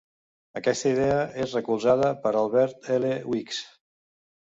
Aquesta idea és recolzada per Albert L. Weeks.